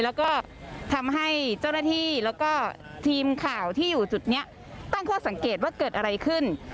แล้วก็ทำให้เจ้าหน้าที่แล้วก็ทีมข่าวที่อยู่จุดนี้ตั้งข้อสังเกตว่าเกิดอะไรขึ้น